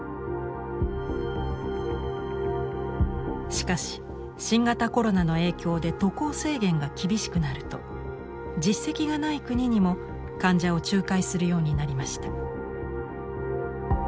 しかし新型コロナの影響で渡航制限が厳しくなると実績がない国にも患者を仲介するようになりました。